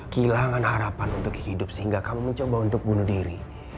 kehilangan harapan untuk hidup sehingga kamu mencoba untuk bunuh diri